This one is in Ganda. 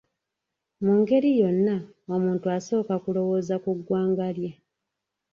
Mu ngeri yonna, omuntu asooka kulowooza ku ggwanga lye.